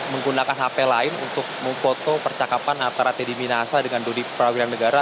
menggunakan hp lain untuk memfoto percakapan antara teddy minahasa dengan dodi prawiran negara